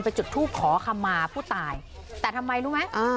จุดทูปขอคำมาผู้ตายแต่ทำไมรู้ไหมเออ